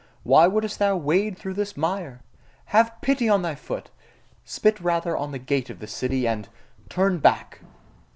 Why wouldst thou wade through this mire? Have pity upon thy foot! Spit rather on the gate of the city, and turn back!